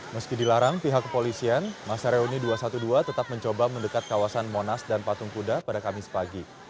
meski dilarang pihak kepolisian masa reuni dua ratus dua belas tetap mencoba mendekat kawasan monas dan patung kuda pada kamis pagi